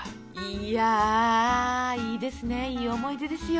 いやいいですねいい思い出ですよ。